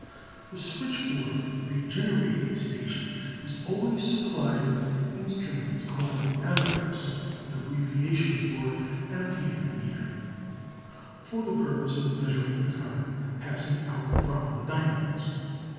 The switchboard at a generating station is always supplied with instruments called ammeters, an abbreviation of amperemeters, for the purpose of measuring the current passing out from the dynamos.